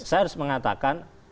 saya harus mengatakan